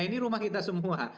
ini rumah kita semua